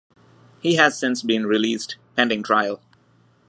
He has since been released pending trial.